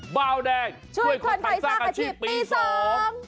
บ้าวแดงช่วยคนไทยสร้างอาชีพปี๒ช่วยคนไทยสร้างอาชีพปี๒